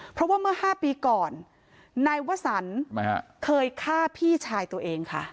เพราะว่าเมื่อ๕ปีก่อนนายวสันเคยฆ่าพี่ชายตัวเองค่ะ